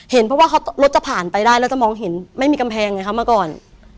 เห็นเพราะว่ารถจะผ่านไปได้แล้วจะมองเห็นไม่มีกำแพงไงคะเมื่อก่อน